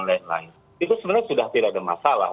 itu sebenarnya sudah tidak ada masalah